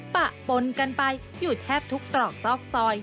ปะปนกันไปอยู่แทบทุกตรอกซอกซอย